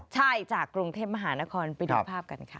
ใช่จากกรุงเทพมหานครไปดูภาพกันค่ะ